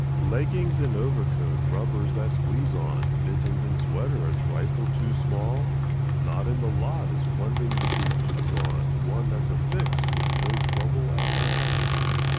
Leggings and overcoat, rubbers that squeeze on, Mittens and sweater a trifle too small; Not in the lot is one thing you can ease on, One that's affixed with no trouble at all.